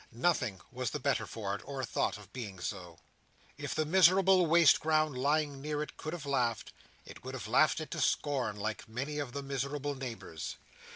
Nothing was the better for it, or thought of being so. If the miserable waste ground lying near it could have laughed, it would have laughed it to scorn, like many of the miserable neighbours.